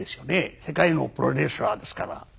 世界のプロレスラーですから。